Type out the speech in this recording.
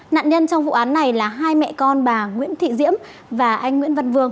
nạn nhân trong vụ án này là hai mẹ con bà nguyễn thị diễm và anh nguyễn văn vương